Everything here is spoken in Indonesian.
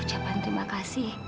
ucapan terima kasih